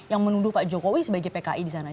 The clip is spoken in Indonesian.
yang menuduh pak jokowi sebagai pki di sana